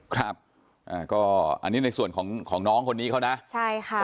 ครับอ่าก็อันนี้ในส่วนของของน้องคนนี้เขานะใช่ค่ะ